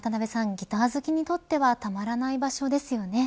ギター好きにとってはたまらない場所ですよね。